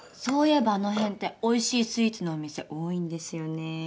そういえばあの辺っておいしいスイーツのお店多いんですよね。